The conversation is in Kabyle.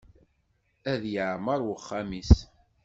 Ad yeɛmer uxxam-is.